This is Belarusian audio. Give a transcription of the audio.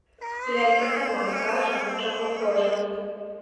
Лялька сама скажа, чаго хоча.